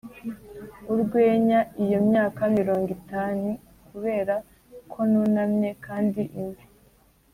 urwenya - iyo myaka mirongo itanni ukubera ko nunamye kandi imvi,